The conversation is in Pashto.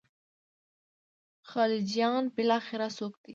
خلجیان بالاخره څوک دي.